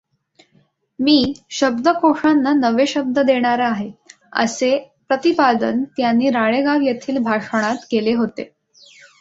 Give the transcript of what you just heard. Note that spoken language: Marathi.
मी शब्दकोषांना नवे शब्द देणारा आहे, असे प्रतिपादन त्यांनी राळेगाव येथील भाषणात केले होते.